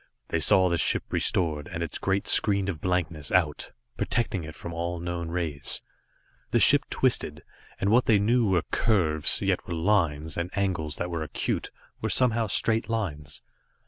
They saw the ship restored, and its great screen of blankness out, protecting it from all known rays. The ship twisted, and what they knew were curves, yet were lines, and angles that were acute, were somehow straight lines.